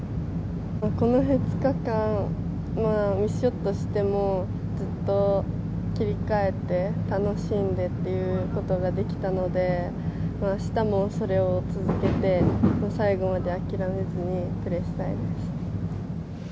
この２日間ミスショットをしてもずっと切り替えて、楽しんでっていうことができたので明日もそれを続けて最後まで諦めずにプレーしたいです。